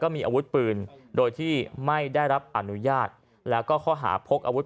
มีอาวุธปืนโดยที่ไม่ได้รับอนุญาตแล้วก็ข้อหาพกอาวุธ